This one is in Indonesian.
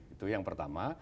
itu yang pertama